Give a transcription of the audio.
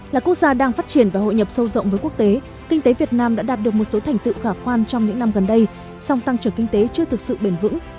là quốc gia đang phát triển và hội nhập sâu rộng với quốc tế kinh tế việt nam đã đạt được một số thành tựu khả quan trong những năm gần đây song tăng trưởng kinh tế chưa thực sự bền vững